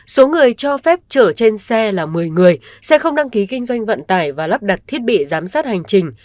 số người cho phép chở trên xe là một mươi người xe không đăng ký kinh doanh vận tải và lắp đặt thiết bị giám sát hành trình